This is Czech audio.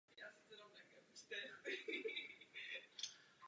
Komponenty rakety byly proto na Cape Canaveral poprvé dopraveny lodí.